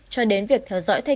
cho đến việc theo dõi các bầu cử